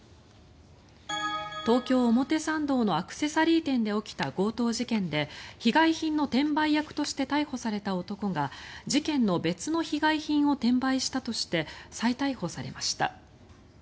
東京・表参道のアクセサリー店で起きた強盗事件で被害品の転売役として逮捕された男が事件の別の被害品を転売したとして再逮捕されました。